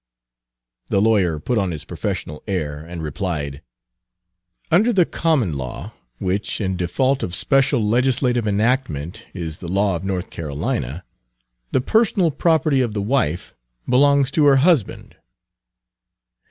The lawyer put on his professional air, and replied: "Under the common law, which in default of special legislative enactment is the law of North Carolina, the personal property of the wife belongs to her husband."